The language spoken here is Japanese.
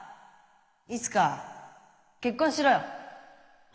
いつか結婚しろよ。